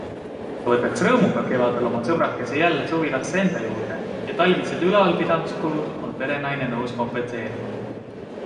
Ta võtaks rõõmuga kevadel oma sõbrakese jälle suvilasse enda juurde ja talvised ülalpidamiskulud on perenaine nõus kompenseerima.